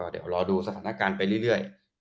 เดี๋ยวรอดูสถานการณ์ไปเรื่อย